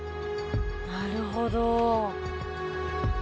なるほど。